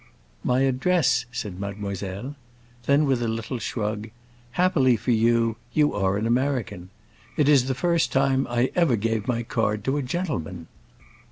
"My address?" said mademoiselle. Then with a little shrug, "Happily for you, you are an American! It is the first time I ever gave my card to a gentleman."